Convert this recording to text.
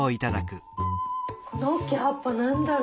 この大きい葉っぱ何だろ？